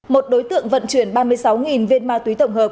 một đối tượng vận chuyển ba mươi sáu viên ma túy tổng hợp